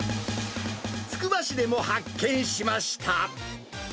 つくば市でも発見しました。